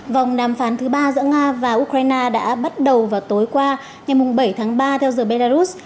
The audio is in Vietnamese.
vòng đàm phán thứ ba giữa nga và ukraine đã bắt đầu vào tối qua ngày bảy tháng ba theo giờ belarus